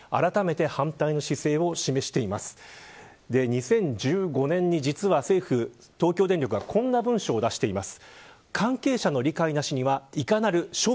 ２０１５年に実は政府と東京電力はこんな文書を出しています。